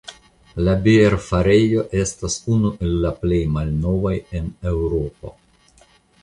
La bierfarejo estas unu el la plej malnovaj en Eŭropo.